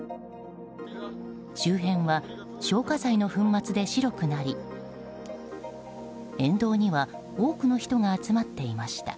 周辺は消火剤の粉末で白くなり沿道には多くの人が集まっていました。